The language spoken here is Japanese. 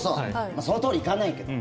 まあ、そのとおり行かないけど。